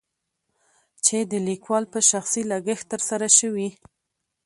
چې دليکوال په شخصي لګښت تر سره شوي.